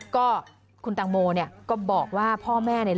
ก็คุณตังโมก็บอกว่าพ่อแม่เนี่ย